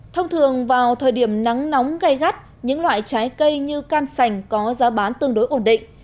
thông thường vào thời điểm nắng nóng gây gắt những loại trái cây như cam sành có giá bán tương đối ổn định